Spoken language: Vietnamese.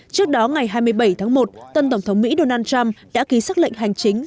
trước đó ngày hai mươi bảy tháng một tân tổng thống mỹ donald trump đã ký xác lệnh hành chính